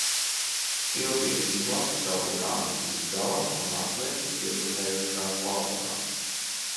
Silvija izlasa savu grāmatu līdz galam un atliek pieputējušā plauktā.